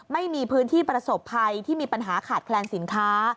ไม่มีพื้นที่ประสบภัยที่มีปัญหาขาดแคลนสินค้า